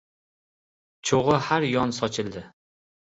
Cho’g’i har yon sochildi.